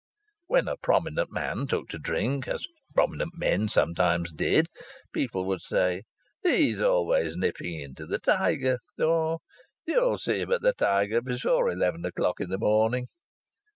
When a prominent man took to drink (as prominent men sometimes did), people would say, "He's always nipping into the Tiger!" Or, "You'll see him at the Tiger before eleven o'clock in the morning!"